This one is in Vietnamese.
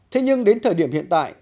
thế nhưng đến thời điểm hiện tại